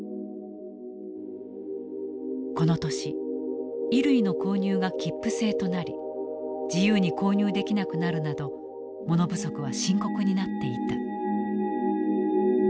この年衣類の購入が切符制となり自由に購入できなくなるなど物不足は深刻になっていた。